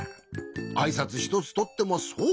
あいさつひとつとってもそう。